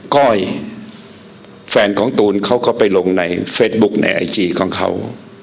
ก้อยแฟนของตูนเขาก็ไปลงในเฟซบุ๊คในไอจีของเขา